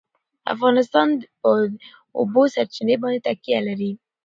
افغانستان په د اوبو سرچینې باندې تکیه لري.